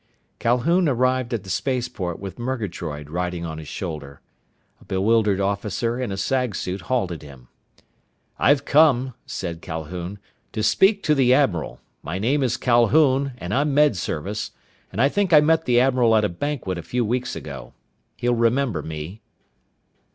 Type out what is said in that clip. Calhoun arrived at the spaceport with Murgatroyd riding on his shoulder. A bewildered officer in a sag suit halted him. "I've come," said Calhoun, "to speak to the admiral. My name is Calhoun and I'm Med Service, and I think I met the admiral at a banquet a few weeks ago. He'll remember me."